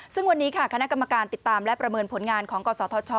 ซึ่งวันนี้ค่ะคณะกรรมการติดตามและประเมินผลงานของกศธช